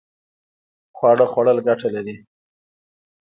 خواږه خوړل ګټه لري